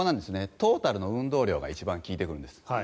トータルの運動量が効いてくるんです。